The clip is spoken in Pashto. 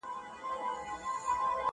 همېشه ګرځي په ډلو پر مردارو!.